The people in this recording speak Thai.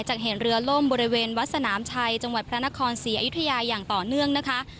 จากเห็นเรือล่มบริเวณวัดสนามชัยจังหวัดพระนครศรีอยุธยาอย่างต่อเนื่องนะคะ